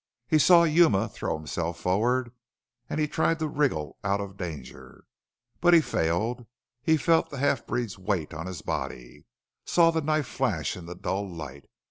He saw Yuma throw himself forward and he tried to wriggle out of danger, but he failed. He felt the half breed's weight on his body, saw the knife flash in the dull light.